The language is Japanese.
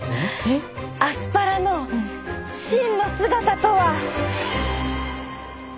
アスパラの真の姿とは。